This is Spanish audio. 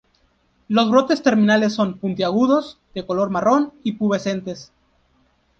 Los brotes terminales son puntiagudos, de color marrón y pubescentes.